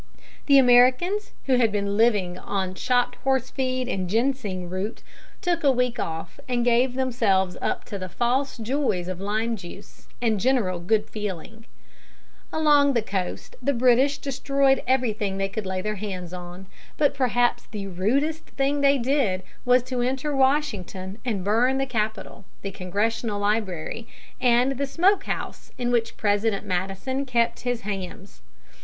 The Americans, who had been living on chopped horse feed and ginseng root, took a week off and gave themselves up to the false joys of lime juice and general good feeling. [Illustration: HIS RAINBOW SMILE.] Along the coast the British destroyed everything they could lay their hands on; but perhaps the rudest thing they did was to enter Washington and burn the Capitol, the Congressional library, and the smoke house in which President Madison kept his hams.